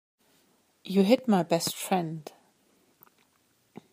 You hit my best friend.